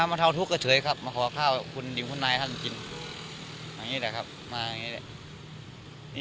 มาเตาทุกกะเฉยมาขอข้าวเป็นคุณคุณแนะใจท่านให้กิน